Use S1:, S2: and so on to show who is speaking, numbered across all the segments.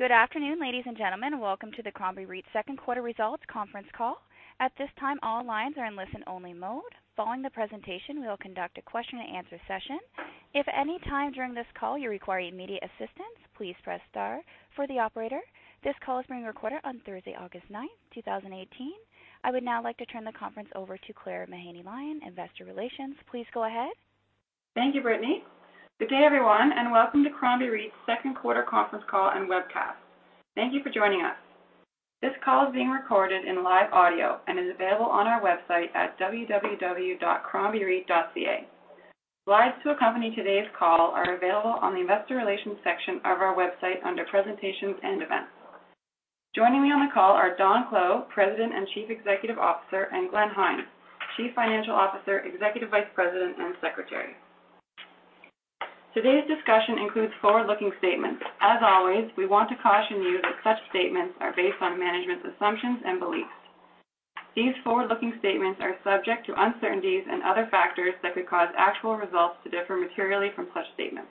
S1: Good afternoon, ladies and gentlemen. Welcome to the Crombie REIT second quarter results conference call. At this time, all lines are in listen-only mode. Following the presentation, we will conduct a question and answer session. If at any time during this call you require immediate assistance, please press star for the operator. This call is being recorded on Thursday, August 9, 2018. I would now like to turn the conference over to Claire Mahaney-Lyon, Investor Relations. Please go ahead.
S2: Thank you, Brittany. Good day, everyone, and welcome to Crombie REIT's second quarter conference call and webcast. Thank you for joining us. This call is being recorded in live audio and is available on our website at www.crombie.ca. Slides to accompany today's call are available on the Investor Relations section of our website under presentations and events. Joining me on the call are Don Clow, President and Chief Executive Officer, and Glenn Hynes, Chief Financial Officer, Executive Vice President, and Secretary. Today's discussion includes forward-looking statements. As always, we want to caution you that such statements are based on management's assumptions and beliefs. These forward-looking statements are subject to uncertainties and other factors that could cause actual results to differ materially from such statements.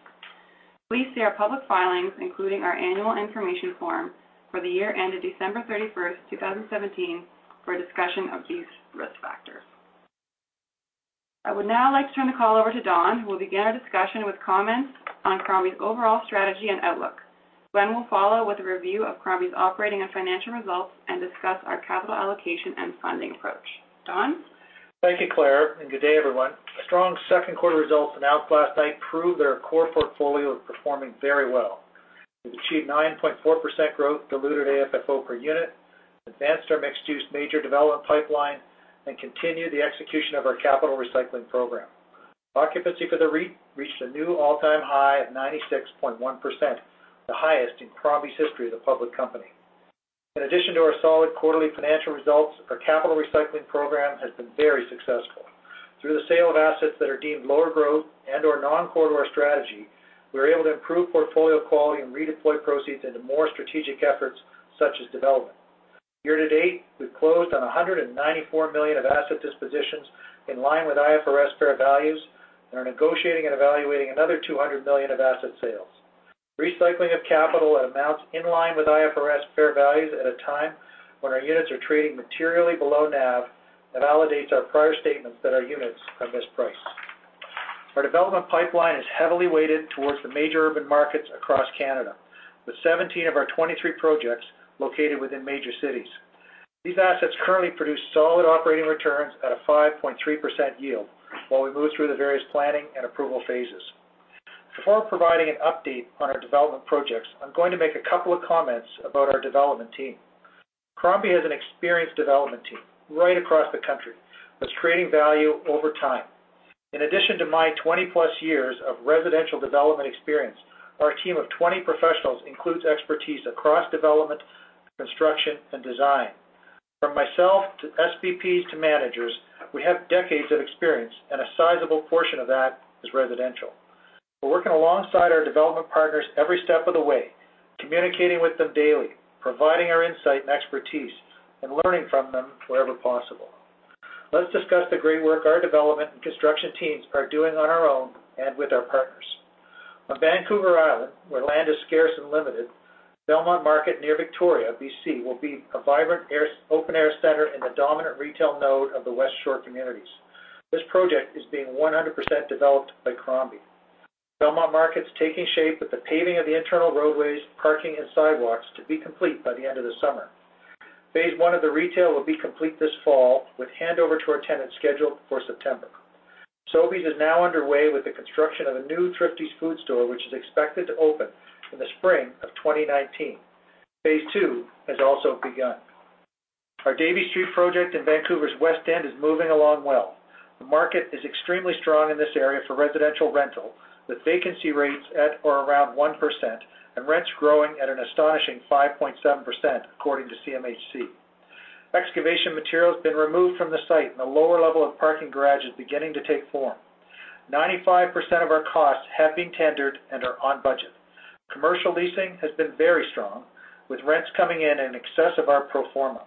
S2: Please see our public filings, including our annual information form for the year ended December 31st, 2017, for a discussion of these risk factors. I would now like to turn the call over to Don, who will begin our discussion with comments on Crombie's overall strategy and outlook. Glenn will follow with a review of Crombie's operating and financial results and discuss our capital allocation and funding approach. Don?
S3: Thank you, Claire, and good day, everyone. Our strong second quarter results announced last night prove that our core portfolio is performing very well. We've achieved 9.4% growth diluted AFFO per unit, advanced our mixed-use major development pipeline, and continued the execution of our capital recycling program. Occupancy for the REIT reached a new all-time high of 96.1%, the highest in Crombie's history as a public company. In addition to our solid quarterly financial results, our capital recycling program has been very successful. Through the sale of assets that are deemed lower growth and/or non-core to our strategy, we were able to improve portfolio quality and redeploy proceeds into more strategic efforts such as development. Year to date, we've closed on 194 million of asset dispositions in line with IFRS fair values and are negotiating and evaluating another 200 million of asset sales. Recycling of capital at amounts in line with IFRS fair values at a time when our units are trading materially below NAV validates our prior statements that our units are mispriced. Our development pipeline is heavily weighted towards the major urban markets across Canada, with 17 of our 23 projects located within major cities. These assets currently produce solid operating returns at a 5.3% yield while we move through the various planning and approval phases. Before providing an update on our development projects, I'm going to make a couple of comments about our development team. Crombie has an experienced development team right across the country that's creating value over time. In addition to my 20-plus years of residential development experience, our team of 20 professionals includes expertise across development, construction, and design. From myself to SVPs to managers, we have decades of experience, and a sizable portion of that is residential. We're working alongside our development partners every step of the way, communicating with them daily, providing our insight and expertise, and learning from them wherever possible. Let's discuss the great work our development and construction teams are doing on our own and with our partners. On Vancouver Island, where land is scarce and limited, Belmont Market, near Victoria, B.C., will be a vibrant open-air center and the dominant retail node of the West Shore communities. This project is being 100% developed by Crombie. Belmont Market's taking shape with the paving of the internal roadways, parking, and sidewalks to be complete by the end of the summer. Phase 1 of the retail will be complete this fall, with handover to our tenants scheduled for September. Sobeys is now underway with the construction of a new Thrifty Foods Store, which is expected to open in the spring of 2019. Phase 2 has also begun. Our Davie Street project in Vancouver's West End is moving along well. The market is extremely strong in this area for residential rental, with vacancy rates at or around 1%, and rents growing at an astonishing 5.7%, according to CMHC. Excavation material has been removed from the site, and the lower level of parking garage is beginning to take form. 95% of our costs have been tendered and are on budget. Commercial leasing has been very strong, with rents coming in in excess of our pro forma.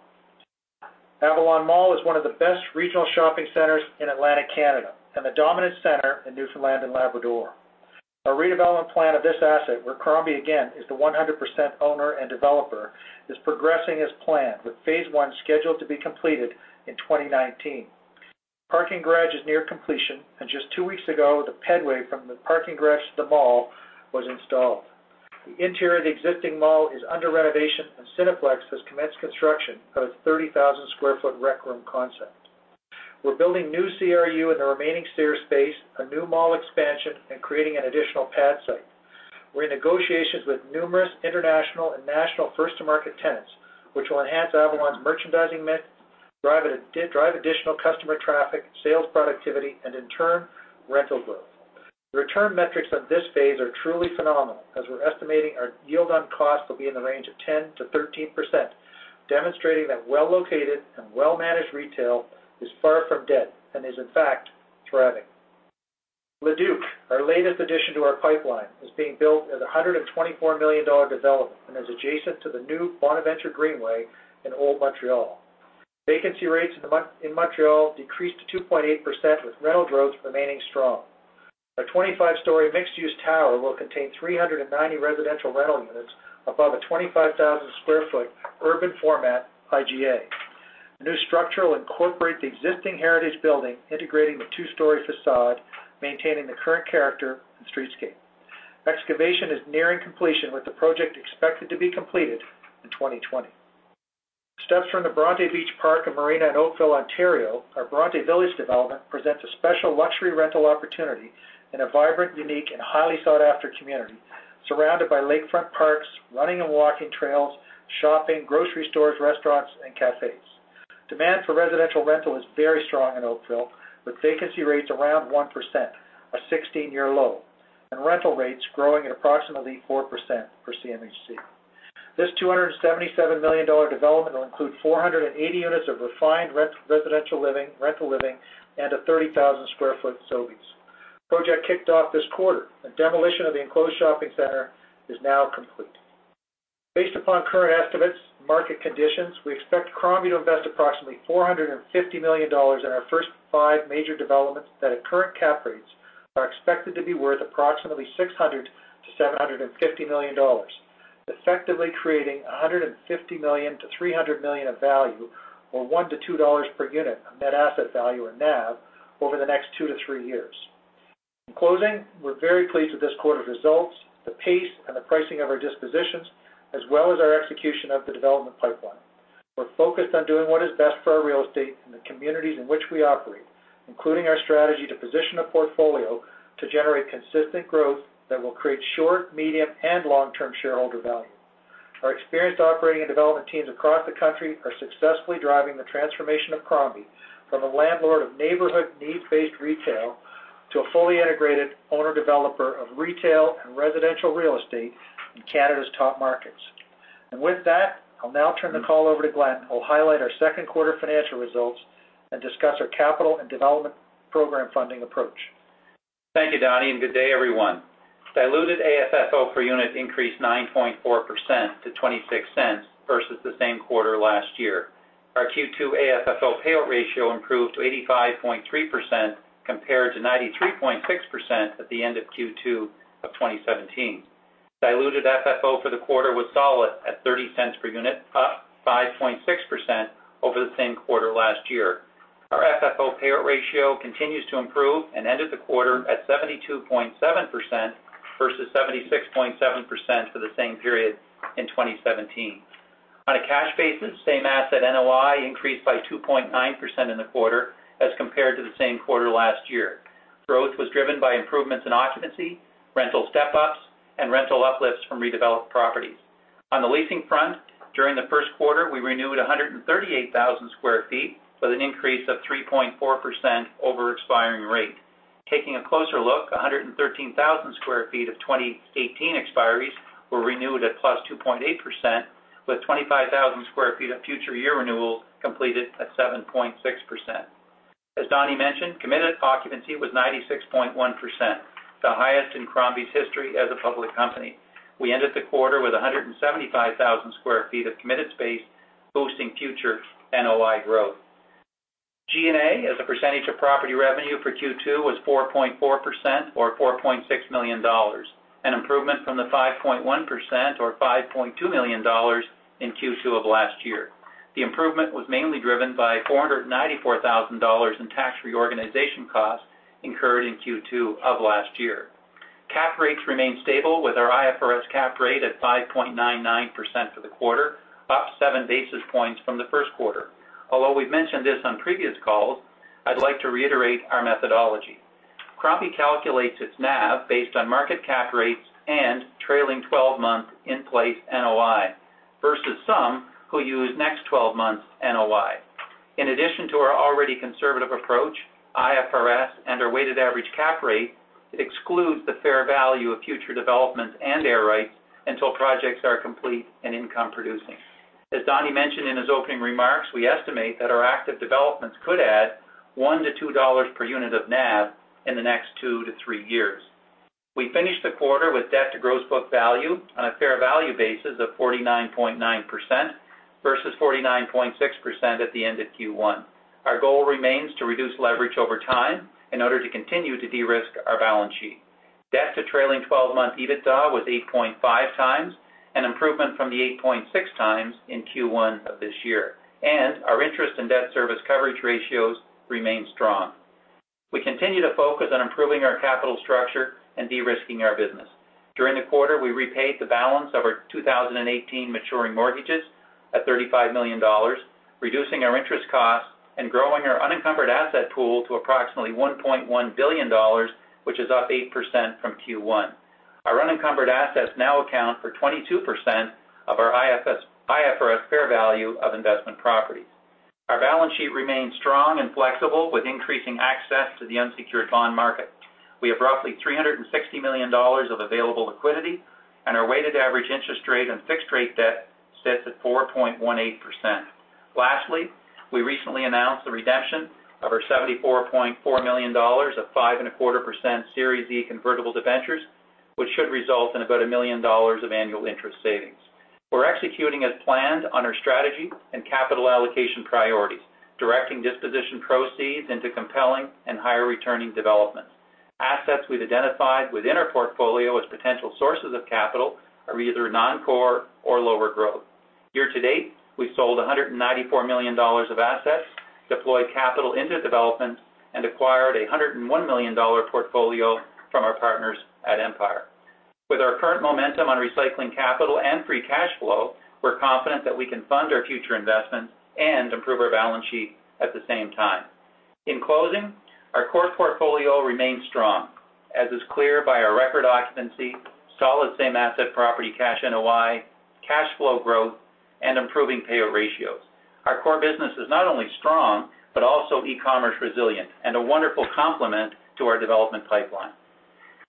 S3: Avalon Mall is one of the best regional shopping centers in Atlantic Canada and the dominant center in Newfoundland and Labrador. Our redevelopment plan of this asset, where Crombie, again, is the 100% owner and developer, is progressing as planned, with Phase 1 scheduled to be completed in 2019. Parking garage is near completion, and just two weeks ago, the pedway from the parking garage to the mall was installed. The interior of the existing mall is under renovation, and Cineplex has commenced construction of its 30,000-square-foot The Rec Room concept. We're building new CRU in the remaining stair space, a new mall expansion, and creating an additional pad site. We're in negotiations with numerous international and national first-to-market tenants, which will enhance Avalon's merchandising mix, drive additional customer traffic, sales productivity, and in turn, rental growth. The return metrics on this phase are truly phenomenal, as we're estimating our yield on cost will be in the range of 10%-13%, demonstrating that well-located and well-managed retail is far from dead and is, in fact, thriving. Le Duke, our latest addition to our pipeline, is being built as 124 million dollar development and is adjacent to the new Bonaventure Greenway in Old Montreal. Vacancy rates in Montreal decreased to 2.8%, with rental growth remaining strong. Our 25-story mixed-use tower will contain 390 residential rental units above a 25,000 sq ft urban format, IGA. The new structure will incorporate the existing heritage building, integrating the two-story facade, maintaining the current character and streetscape. Excavation is nearing completion, with the project expected to be completed in 2020. Steps from the Bronte Beach Park and Marina in Oakville, Ontario, our Bronte Village development presents a special luxury rental opportunity in a vibrant, unique, and highly sought-after community, surrounded by lakefront parks, running and walking trails, shopping, grocery stores, restaurants, and cafes. Demand for residential rental is very strong in Oakville, with vacancy rates around 1%, a 16-year low, and rental rates growing at approximately 4% for CMHC. This 277 million dollar development will include 480 units of refined residential living, rental living, and a 30,000 sq ft Sobeys. Project kicked off this quarter. The demolition of the enclosed shopping center is now complete. Based upon current estimates and market conditions, we expect Crombie to invest approximately 450 million dollars in our first five major developments that, at current cap rates, are expected to be worth approximately 600 million-750 million dollars, effectively creating 150 million-300 million of value, or 1-2 dollars per unit of net asset value in NAV over the next two to three years. In closing, we're very pleased with this quarter's results, the pace, and the pricing of our dispositions, as well as our execution of the development pipeline. We're focused on doing what is best for our real estate and the communities in which we operate, including our strategy to position a portfolio to generate consistent growth that will create short, medium, and long-term shareholder value. Our experienced operating and development teams across the country are successfully driving the transformation of Crombie from a landlord of neighborhood need-based retail to a fully integrated owner-developer of retail and residential real estate in Canada's top markets. With that, I'll now turn the call over to Glenn, who will highlight our second quarter financial results and discuss our capital and development program funding approach.
S4: Thank you, Donny, and good day, everyone. Diluted AFFO per unit increased 9.4% to 0.26 versus the same quarter last year. Our Q2 AFFO payout ratio improved to 85.3%, compared to 93.6% at the end of Q2 of 2017. Diluted FFO for the quarter was solid at 0.30 per unit, up 5.6% over the same quarter last year. Our FFO payout ratio continues to improve and ended the quarter at 72.7%, versus 76.7% for the same period in 2017. On a cash basis, same-asset NOI increased by 2.9% in the quarter as compared to the same quarter last year. Growth was driven by improvements in occupancy, rental step-ups, and rental uplifts from redeveloped properties. On the leasing front, during the first quarter, we renewed 138,000 sq ft with an increase of 3.4% over expiring rate. Taking a closer look, 113,000 sq ft of 2018 expiries were renewed at +2.8%, with 25,000 sq ft of future year renewal completed at 7.6%. As Donny mentioned, committed occupancy was 96.1%, the highest in Crombie's history as a public company. We ended the quarter with 175,000 sq ft of committed space, boosting future NOI growth. G&A, as a percentage of property revenue for Q2, was 4.4%, or 4.6 million dollars, an improvement from the 5.1%, or 5.2 million dollars in Q2 of last year. The improvement was mainly driven by 494,000 dollars in tax reorganization costs incurred in Q2 of last year. Cap rates remained stable with our IFRS cap rate at 5.99% for the quarter, up seven basis points from the first quarter. We've mentioned this on previous calls, I'd like to reiterate our methodology. Crombie calculates its NAV based on market cap rates and trailing 12-month in-place NOI, versus some who use next 12 months NOI. In addition to our already conservative approach, IFRS and our weighted average cap rate excludes the fair value of future developments and air rights until projects are complete and income-producing. As Donny mentioned in his opening remarks, we estimate that our active developments could add one to 2 dollars per unit of NAV in the next two to three years. We finished the quarter with debt to gross book value on a fair value basis of 49.9%, versus 49.6% at the end of Q1. Our goal remains to reduce leverage over time in order to continue to de-risk our balance sheet. Debt to trailing 12-month EBITDA was 8.5 times, an improvement from the 8.6 times in Q1 of this year. Our interest and debt service coverage ratios remain strong. We continue to focus on improving our capital structure and de-risking our business. During the quarter, we repaid the balance of our 2018 maturing mortgages at 35 million dollars, reducing our interest costs and growing our unencumbered asset pool to approximately 1.1 billion dollars, which is up 8% from Q1. Our unencumbered assets now account for 22% of our IFRS fair value of investment properties. Our balance sheet remains strong and flexible, with increasing access to the unsecured bond market. We have roughly 360 million dollars of available liquidity, and our weighted average interest rate and fixed rate debt sits at 4.18%. We recently announced the redemption of our 74.4 million dollars of 5.25% Series E convertible debentures. Which should result in about 1 million dollars of annual interest savings. We're executing as planned on our strategy and capital allocation priorities, directing disposition proceeds into compelling and higher-returning developments. Assets we've identified within our portfolio as potential sources of capital are either non-core or lower growth. Year to date, we sold 194 million dollars of assets, deployed capital into developments, and acquired 101 million dollar portfolio from our partners at Empire. With our current momentum on recycling capital and free cash flow, we're confident that we can fund our future investments and improve our balance sheet at the same time. In closing, our core portfolio remains strong, as is clear by our record occupancy, solid same-asset property cash NOI, cash flow growth, and improving payout ratios. Our core business is not only strong, but also e-commerce resilient, and a wonderful complement to our development pipeline.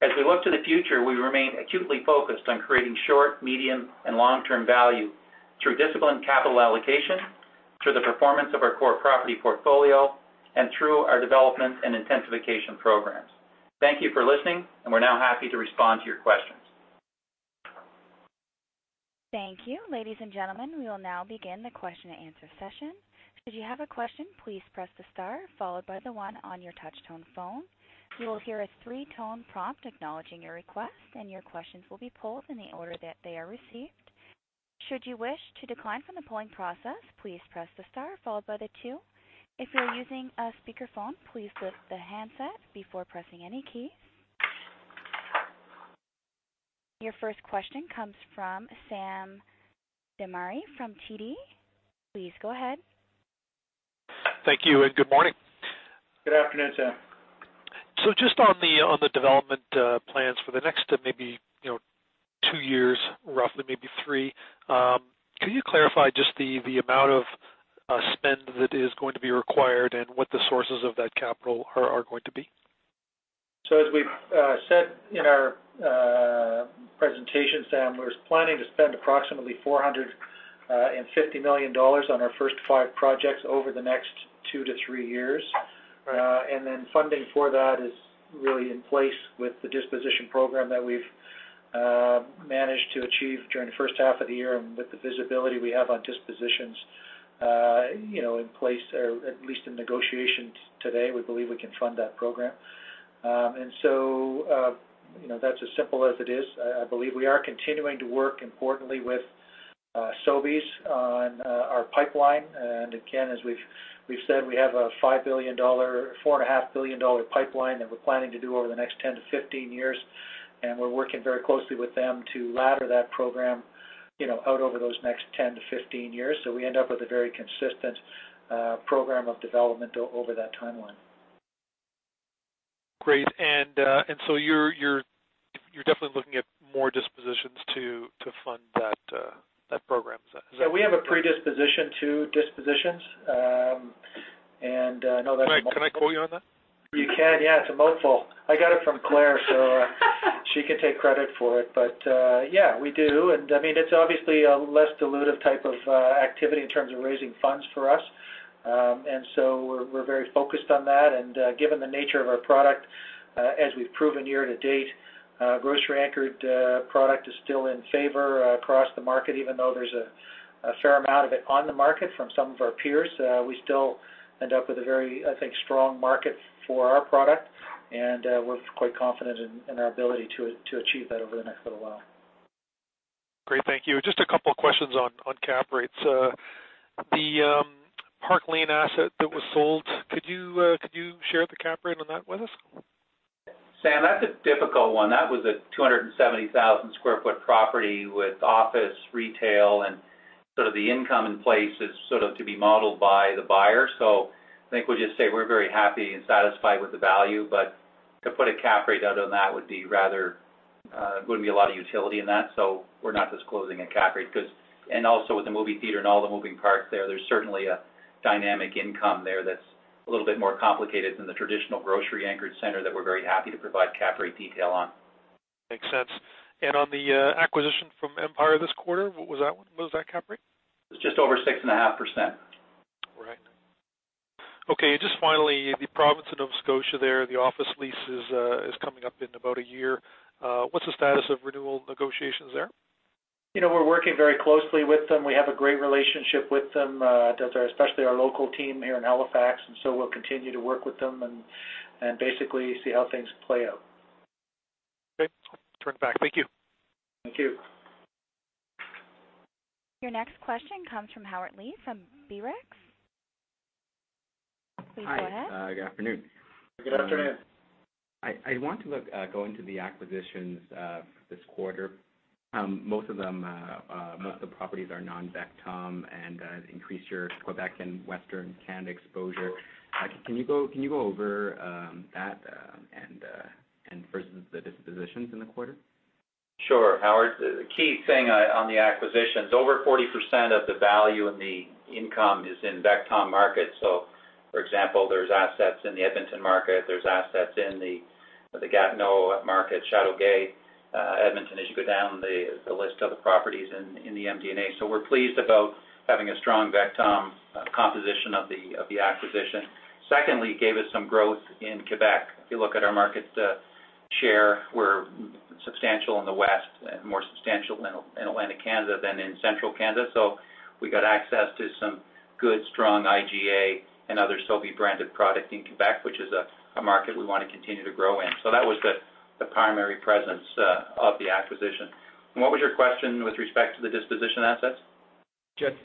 S4: As we look to the future, we remain acutely focused on creating short, medium, and long-term value through disciplined capital allocation, through the performance of our core property portfolio, and through our development and intensification programs. Thank you for listening. We're now happy to respond to your questions.
S1: Thank you. Ladies and gentlemen, we will now begin the question and answer session. If you have a question, please press the star followed by the one on your touch-tone phone. You will hear a three-tone prompt acknowledging your request, and your questions will be pulled in the order that they are received. Should you wish to decline from the polling process, please press the star followed by the two. If you are using a speakerphone, please lift the handset before pressing any key. Your first question comes from Sam Damiani from TD. Please go ahead.
S5: Thank you. Good morning.
S4: Good afternoon, Sam.
S5: Just on the development plans for the next maybe two years, roughly maybe three, can you clarify just the amount of spend that is going to be required and what the sources of that capital are going to be?
S4: As we said in our presentation, Sam, we're planning to spend approximately 450 million dollars on our first five projects over the next two to three years. Funding for that is really in place with the disposition program that we've managed to achieve during the first half of the year and with the visibility we have on dispositions in place, or at least in negotiations today, we believe we can fund that program. That's as simple as it is. I believe we are continuing to work importantly with Sobeys on our pipeline. Again, as we've said, we have a 4.5 billion dollar pipeline that we're planning to do over the next 10-15 years. We're working very closely with them to ladder that program out over those next 10-15 years, so we end up with a very consistent program of development over that timeline.
S5: Great. You're definitely looking at more dispositions to fund that program. Is that?
S4: We have a predisposition to dispositions. No, that's.
S5: Can I quote you on that?
S4: You can, yeah. It's a mouthful. I got it from Claire, so she can take credit for it. Yeah, we do. It's obviously a less dilutive type of activity in terms of raising funds for us. We're very focused on that. Given the nature of our product, as we've proven year to date, grocery-anchored product is still in favor across the market, even though there's a fair amount of it on the market from some of our peers. We still end up with a very, I think, strong market for our product. We're quite confident in our ability to achieve that over the next little while.
S5: Great. Thank you. Just a couple questions on cap rates. The Park Lane asset that was sold, could you share the cap rate on that with us?
S4: Sam, that's a difficult one. That was a 270,000 sq ft property with office, retail, and sort of the income in place is sort of to be modeled by the buyer. I think we'll just say we're very happy and satisfied with the value, but to put a cap rate other than that wouldn't be a lot of utility in that. We're not disclosing a cap rate because, and also with the movie theater and all the moving parts there's certainly a dynamic income there that's a little bit more complicated than the traditional grocery-anchored center that we're very happy to provide cap rate detail on.
S5: Makes sense. On the acquisition from Empire this quarter, what was that cap rate?
S4: It's just over 6.5%.
S5: Right. Okay. Just finally, the province of Nova Scotia there, the office lease is coming up in about a year. What's the status of renewal negotiations there?
S4: We're working very closely with them. We have a great relationship with them, especially our local team here in Halifax. We'll continue to work with them and basically see how things play out.
S5: Okay. Turn it back. Thank you.
S4: Thank you.
S1: Your next question comes from Howard Lee, from [B.RiX. Please go ahead.
S6: Hi. Good afternoon.
S4: Good afternoon.
S6: I want to go into the acquisitions, this quarter. Most of the properties are non VECTOM and increase your Quebec and Western Canada exposure. Can you go over that, and versus the dispositions in the quarter?
S4: Sure, Howard. The key thing on the acquisitions, over 40% of the value in the income is in VECTOM markets. For example, there is assets in the Edmonton market, there is assets in the Gatineau market, Châteauguay, Edmonton, as you go down the list of the properties in the MD&A. We are pleased about having a strong VECTOM composition of the acquisition. Secondly, it gave us some growth in Quebec. If you look at our market share, we are substantial in the West and more substantial in Atlantic Canada than in Central Canada. We got access to some good, strong IGA and other Sobeys-branded product in Quebec, which is a market we want to continue to grow in. That was the primary presence of the acquisition. What was your question with respect to the disposition assets?
S6: Just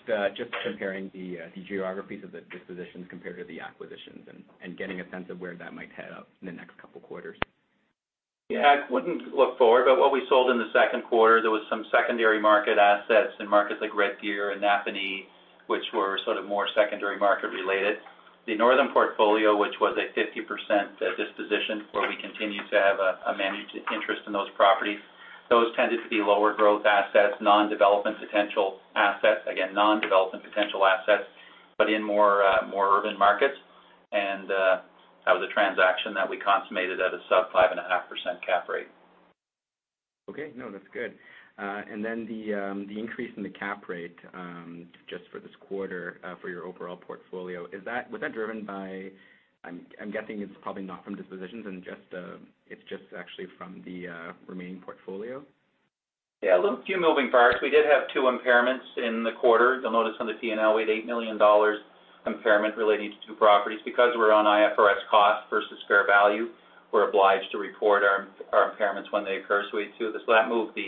S6: comparing the geographies of the dispositions compared to the acquisitions and getting a sense of where that might head up in the next couple of quarters.
S4: I wouldn't look forward, what we sold in the second quarter, there was some secondary market assets in markets like Red Deer and Napanee, which were sort of more secondary market related. The Northern portfolio, which was a 50% disposition where we continue to have a managed interest in those properties. Those tended to be lower growth assets, non-development potential assets. Again, non-development potential assets, but in more urban markets. That was a transaction that we consummated at a sub 5.5% cap rate.
S6: Okay. No, that's good. The increase in the cap rate, just for this quarter, for your overall portfolio, was that driven by, I'm guessing it's probably not from dispositions and it's just actually from the remaining portfolio?
S4: Yeah, a few moving parts. We did have two impairments in the quarter. You'll notice on the P&L, we had 8 million dollars impairment relating to two properties. Because we're on IFRS cost versus fair value, we're obliged to report our impairments when they occur. We do this. That moved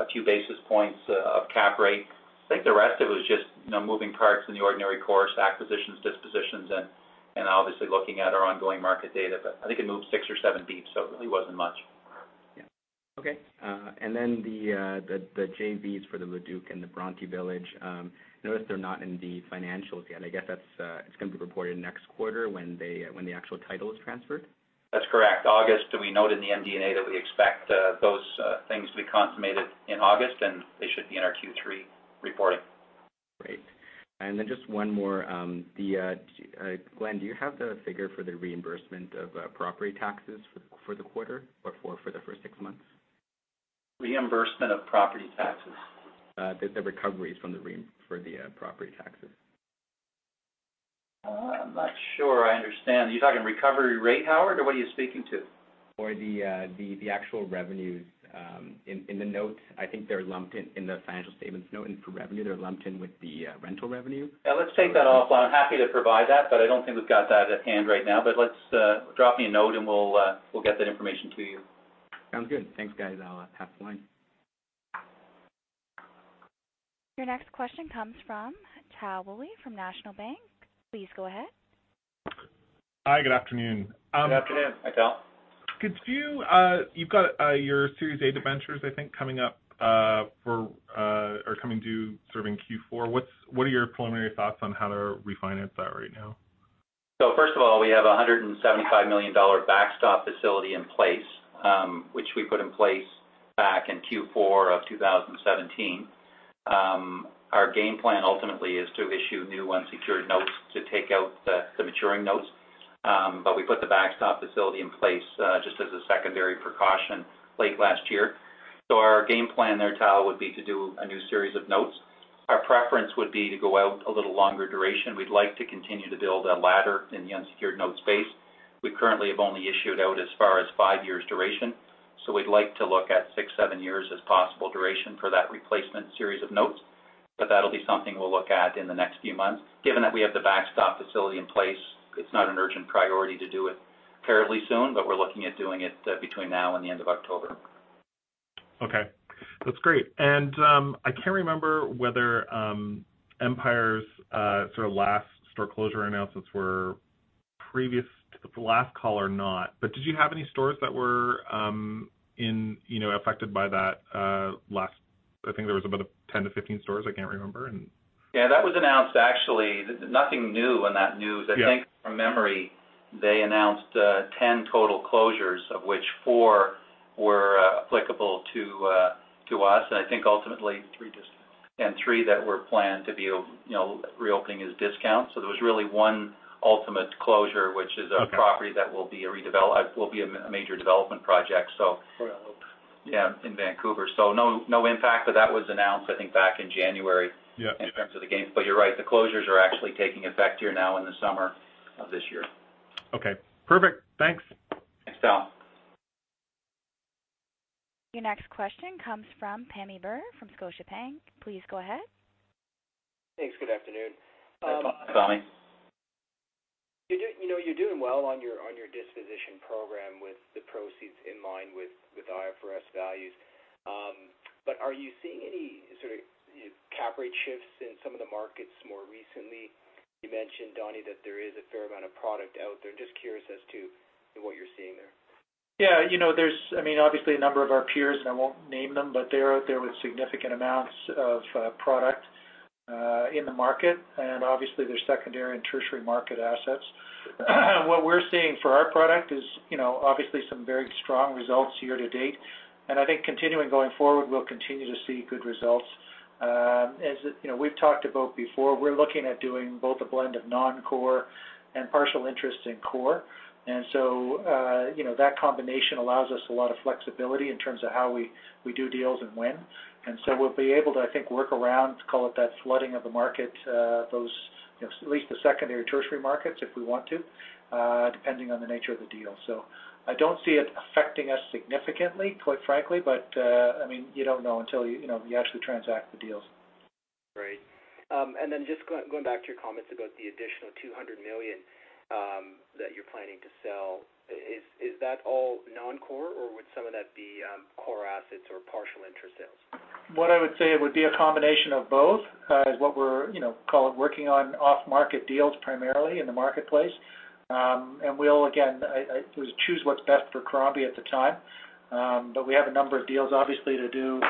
S4: a few basis points of cap rate. I think the rest of it was just moving parts in the ordinary course, acquisitions, dispositions, and obviously looking at our ongoing market data. I think it moved six or seven basis points, so it really wasn't much.
S6: Yeah. Okay. The JVs for the Le Duke and the Bronte Village, I noticed they're not in the financials yet. I guess it's going to be reported next quarter when the actual title is transferred?
S4: That's correct. August, we note in the MD&A that we expect those things to be consummated in August, they should be in our Q3 reporting.
S6: Great. Just one more. Glenn, do you have the figure for the reimbursement of property taxes for the quarter or for the first six months?
S4: Reimbursement of property taxes?
S6: The recoveries for the property taxes.
S4: I'm not sure I understand. Are you talking recovery rate, Howard, or what are you speaking to?
S6: For the actual revenues. In the notes, I think they're lumped in the financial statements note for revenue. They're lumped in with the rental revenue.
S4: Yeah, let's take that off-line. I'm happy to provide that, but I don't think we've got that at hand right now. Drop me a note, and we'll get that information to you.
S6: Sounds good. Thanks, guys. I'll have a follow-up.
S1: Your next question comes from Tal Woolley from National Bank. Please go ahead.
S7: Hi, good afternoon.
S4: Good afternoon.
S3: Hi, Tal.
S7: You've got your Series A debentures, I think, coming due sort of in Q4. What are your preliminary thoughts on how to refinance that right now?
S4: First of all, we have 175 million dollar backstop facility in place, which we put in place back in Q4 of 2017. Our game plan ultimately is to issue new unsecured notes to take out the maturing notes. We put the backstop facility in place just as a secondary precaution late last year. Our game plan there, Tal, would be to do a new series of notes. Our preference would be to go out a little longer duration. We'd like to continue to build a ladder in the unsecured note space. We currently have only issued out as far as five years duration, so we'd like to look at six, seven years as possible duration for that replacement series of notes. That'll be something we'll look at in the next few months. Given that we have the backstop facility in place, it's not an urgent priority to do it fairly soon, but we're looking at doing it between now and the end of October.
S7: Okay. That's great. I can't remember whether Empire's sort of last store closure announcements were previous to the last call or not. Did you have any stores that were affected by that last, I think there was about 10-15 stores, I can't remember.
S4: Yeah. That was announced actually, nothing new in that news.
S7: Yeah.
S4: I think from memory, they announced 10 total closures, of which four were applicable to us.
S3: Three discounts.
S4: Three that were planned to be reopening as discounts. There was really one ultimate closure, which is a-
S7: Okay
S4: property that will be a major development project.
S3: Royal Oak.
S4: Yeah, in Vancouver. No impact. That was announced, I think, back in January-
S7: Yeah
S4: In terms of the gains. You're right, the closures are actually taking effect here now in the summer of this year.
S7: Okay, perfect. Thanks.
S4: Thanks, Tal.
S1: Your next question comes from Pammi Bir from Scotiabank. Please go ahead.
S8: Thanks. Good afternoon.
S4: Hi, Pammi.
S8: You're doing well on your disposition program with the proceeds in line with IFRS values. Are you seeing any sort of cap rate shifts in some of the markets more recently? You mentioned, Donny, that there is a fair amount of product out there. Just curious as to what you're seeing there.
S3: Yeah. Obviously, a number of our peers, and I won't name them, but they are out there with significant amounts of product in the market, and obviously, they're secondary and tertiary market assets. What we're seeing for our product is obviously some very strong results year to date. I think continuing going forward, we'll continue to see good results. As we've talked about before, we're looking at doing both a blend of non-core And partial interest in core. That combination allows us a lot of flexibility in terms of how we do deals and when. We'll be able to, I think, work around, call it that flooding of the market, at least the secondary, tertiary markets, if we want to, depending on the nature of the deal. I don't see it affecting us significantly, quite frankly, but you don't know until you actually transact the deals.
S8: Right. Just going back to your comments about the additional 200 million that you're planning to sell. Is that all non-core, or would some of that be core assets or partial interest sales?
S3: What I would say, it would be a combination of both, is what we're call it working on off-market deals primarily in the marketplace. We'll, again, choose what's best for Crombie at the time. We have a number of deals, obviously, to do,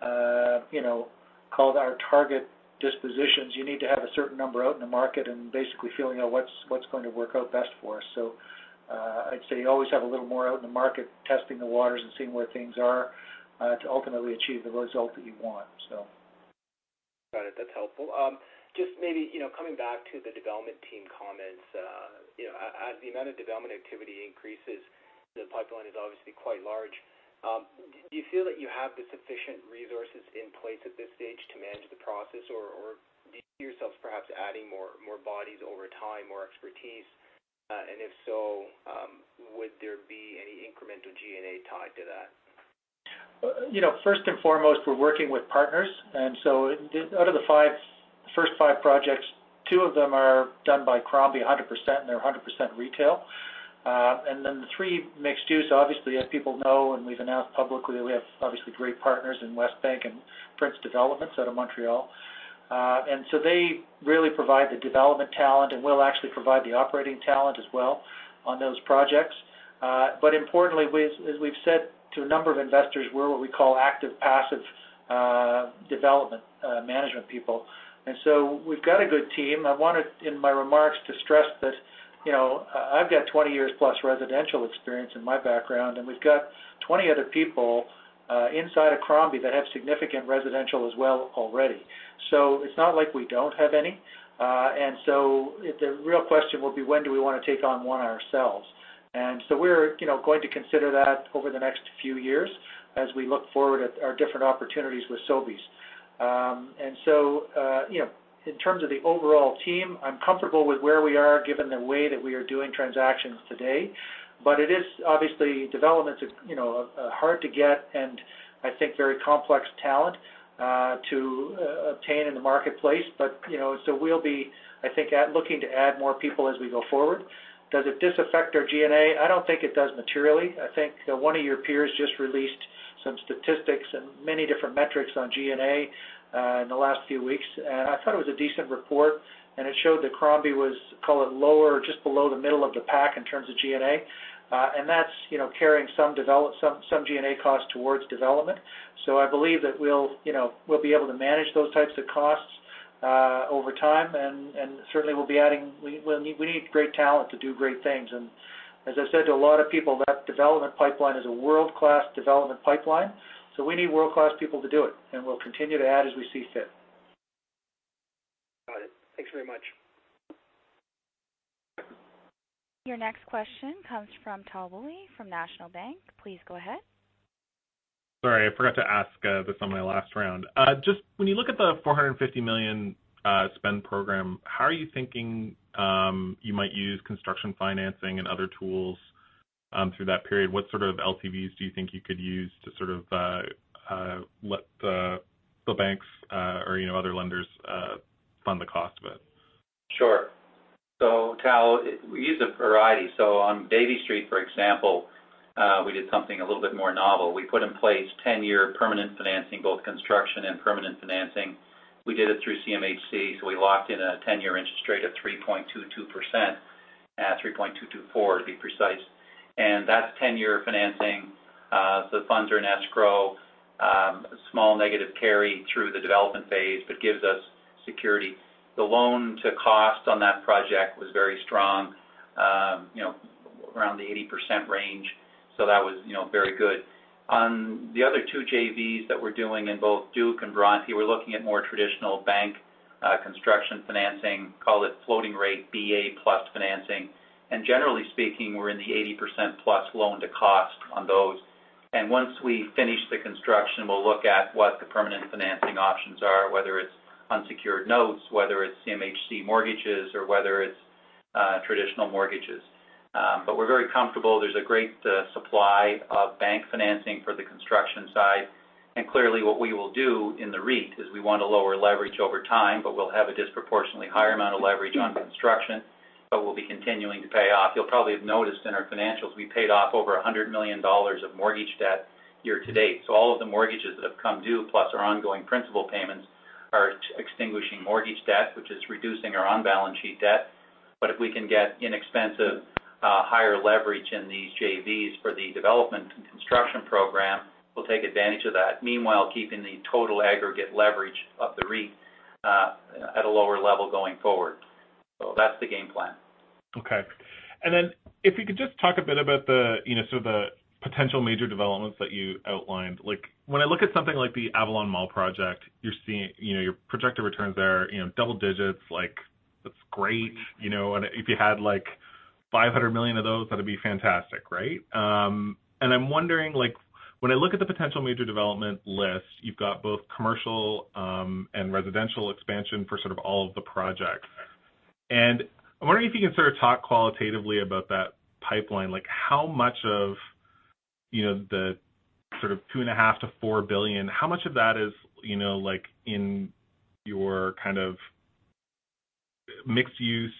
S3: call it our target dispositions. You need to have a certain number out in the market and basically feeling out what's going to work out best for us. I'd say you always have a little more out in the market, testing the waters and seeing where things are, to ultimately achieve the result that you want.
S8: Got it. That's helpful. Just maybe, coming back to the development team comments. As the amount of development activity increases, the pipeline is obviously quite large. Do you feel that you have the sufficient resources in place at this stage to manage the process? Or do you see yourselves perhaps adding more bodies over time, more expertise? If so, would there be any incremental G&A tied to that?
S3: First and foremost, we're working with partners, out of the first five projects, two of them are done by Crombie 100%, and they're 100% retail. The three mixed-use, obviously, as people know, and we've announced publicly that we have obviously great partners in Westbank and Prince Developments out of Montreal. They really provide the development talent, and we'll actually provide the operating talent as well on those projects. Importantly, as we've said to a number of investors, we're what we call active-passive development management people. We've got a good team. I wanted, in my remarks, to stress that I've got 20-years-plus residential experience in my background, and we've got 20 other people inside of Crombie that have significant residential as well already. It's not like we don't have any. The real question will be when do we want to take on one ourselves? We're going to consider that over the next few years as we look forward at our different opportunities with Sobeys. In terms of the overall team, I'm comfortable with where we are given the way that we are doing transactions today. It is obviously development, a hard-to-get, and I think very complex talent to obtain in the marketplace. We'll be, I think, looking to add more people as we go forward. Does it disaffect our G&A? I don't think it does materially. I think that one of your peers just released some statistics and many different metrics on G&A in the last few weeks, and I thought it was a decent report, and it showed that Crombie was, call it lower or just below the middle of the pack in terms of G&A. That's carrying some G&A costs towards development. I believe that we'll be able to manage those types of costs over time, and certainly we'll be adding We need great talent to do great things. As I said to a lot of people, that development pipeline is a world-class development pipeline. We need world-class people to do it, and we'll continue to add as we see fit.
S8: Got it. Thanks very much.
S1: Your next question comes from Tal Woolley from National Bank. Please go ahead.
S7: Sorry, I forgot to ask this on my last round. When you look at the 450 million spend program, how are you thinking you might use construction financing and other tools through that period? What sort of LTVs do you think you could use to sort of let the banks or other lenders fund the cost of it?
S3: Sure. Tal, we use a variety. On Davie Street, for example, we did something a little bit more novel. We put in place 10-year permanent financing, both construction and permanent financing. We did it through CMHC, we locked in a 10-year interest rate of 3.22%, 3.224% to be precise. That's 10-year financing. The funds are in escrow. Small negative carry through the development phase, but gives us security. The loan to cost on that project was very strong, around the 80% range. That was very good. On the other two JVs that we're doing in both Le Duke and Bronte, we're looking at more traditional bank construction financing, call it floating rate BA plus financing. Generally speaking, we're in the 80%-plus loan to cost on those. Once we finish the construction, we will look at what the permanent financing options are, whether it is unsecured notes, whether it is CMHC mortgages, or whether it is traditional mortgages. We are very comfortable. There is a great supply of bank financing for the construction side. Clearly what we will do in the REIT is we want to lower leverage over time, but we will have a disproportionately higher amount of leverage on construction. We will be continuing to pay off. You will probably have noticed in our financials, we paid off over 100 million dollars of mortgage debt year-to-date. So all of the mortgages that have come due, plus our ongoing principal payments, are extinguishing mortgage debt, which is reducing our on-balance sheet debt. If we can get inexpensive, higher leverage in these JVs for the development and construction program, we will take advantage of that. Keeping the total aggregate leverage of the REIT at a lower level going forward. So that is the game plan.
S7: Okay. If you could just talk a bit about the potential major developments that you outlined. When I look at something like the Avalon Mall project, your projected returns there, double digits, that is great. If you had 500 million of those, that would be fantastic, right? I am wondering, when I look at the potential major development list, you have got both commercial and residential expansion for all of the projects. I am wondering if you can sort of talk qualitatively about that pipeline, how much of the 2.5 billion-4 billion, how much of that is in your kind of mixed-use,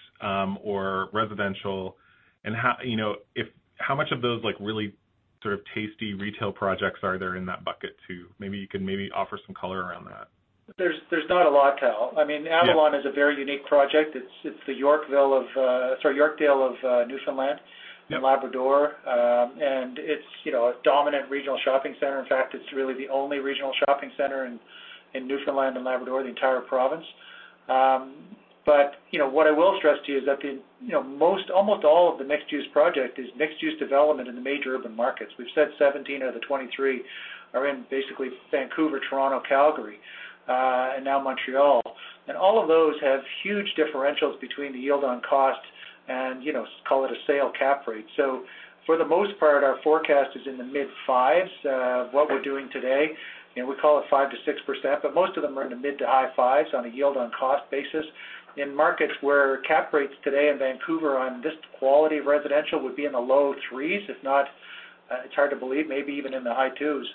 S7: or residential, and how much of those really sort of tasty retail projects are there in that bucket too? Maybe you can maybe offer some color around that.
S3: There is not a lot, Tal.
S7: Yeah.
S3: Avalon is a very unique project. It's the Yorkdale of Newfoundland and Labrador. It's a dominant regional shopping center. In fact, it's really the only regional shopping center in Newfoundland and Labrador, the entire province. What I will stress to you is that almost all of the mixed-use project is mixed-use development in the major urban markets. We've said 17 out of the 23 are in basically Vancouver, Toronto, Calgary, and now Montreal. All of those have huge differentials between the yield on cost and, call it a sale cap rate. For the most part, our forecast is in the mid fives. What we're doing today, we call it 5%-6%, but most of them are in the mid to high fives on a yield on cost basis. In markets where cap rates today in Vancouver on this quality of residential would be in the low threes, if not, it's hard to believe, maybe even in the high twos.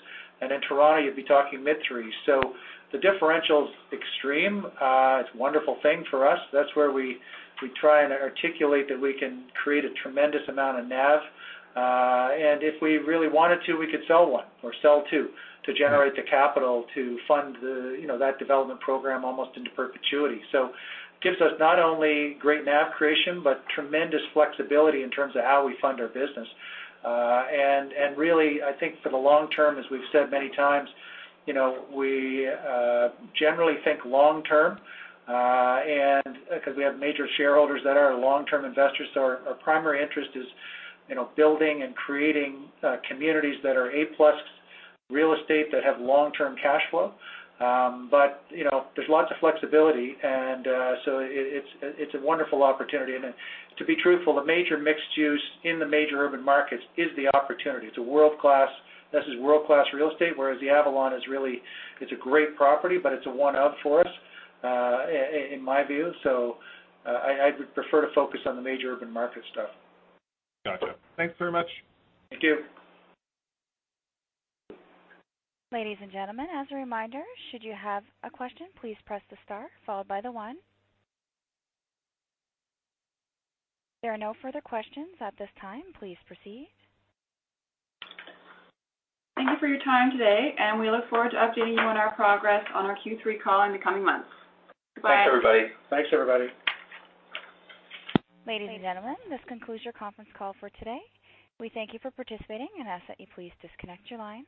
S3: In Toronto, you'd be talking mid threes. The differential's extreme. It's a wonderful thing for us. That's where we try and articulate that we can create a tremendous amount of NAV. If we really wanted to, we could sell one or sell two to generate the capital to fund that development program almost into perpetuity. It gives us not only great NAV creation, but tremendous flexibility in terms of how we fund our business. Really, I think for the long term, as we've said many times, we generally think long term, because we have major shareholders that are long-term investors. Our primary interest is building and creating communities that are A+ real estate that have long-term cash flow. There's lots of flexibility, and so it's a wonderful opportunity. To be truthful, the major mixed-use in the major urban markets is the opportunity. This is world-class real estate, whereas the Avalon is a great property, but it's a one-off for us, in my view. I would prefer to focus on the major urban market stuff.
S7: Gotcha. Thanks very much.
S3: Thank you.
S1: Ladies and gentlemen, as a reminder, should you have a question, please press the star followed by the one. There are no further questions at this time. Please proceed.
S2: Thank you for your time today, and we look forward to updating you on our progress on our Q3 call in the coming months. Goodbye.
S7: Thanks everybody.
S3: Thanks everybody.
S1: Ladies and gentlemen, this concludes your conference call for today. We thank you for participating and ask that you please disconnect your line.